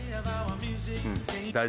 うん。